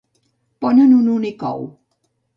Ponen un únic ou.